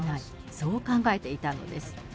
そう考えていたのです。